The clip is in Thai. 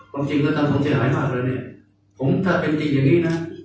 ต้องจริงก็ต้องเสียหายมากเลยเนี่ยผมถ้าเป็นจริงอย่างนี้นะ